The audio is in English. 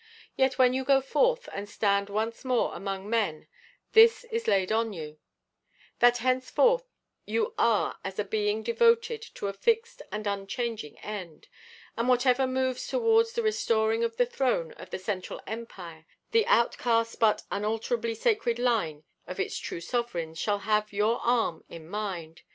Yet when you go forth and stand once more among men this is laid on you: that henceforth you are as a being devoted to a fixed and unchanging end, and whatever moves towards the restoring of the throne of the Central Empire the outcast but unalterably sacred line of its true sovereigns shall have your arm and mind.